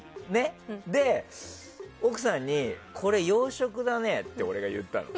で、奥さんにこれ養殖だねって俺が言ったの。